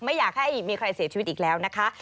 ไม่อยากให้มีใครเสียชีวิตอีกแล้วนะคะ